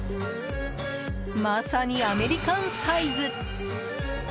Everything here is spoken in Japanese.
まさにアメリカンサイズ！